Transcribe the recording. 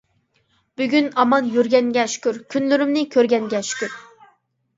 بۈگۈن ئامان يۈرگەنگە شۈكۈر، كۈنلىرىمنى كۆرگەنگە شۈكۈر.